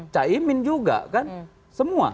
relawan juga kan semua